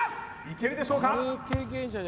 いけるでしょうか？